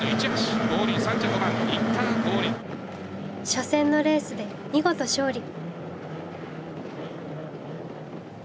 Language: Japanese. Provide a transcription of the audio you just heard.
初戦のレースで見事勝利。